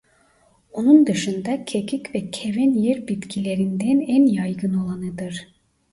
Onun dışında kekik ve keven yer bitkilerinden en yaygın olanıdır.